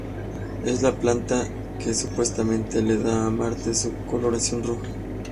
Es la planta que supuestamente le da a Marte su coloración roja.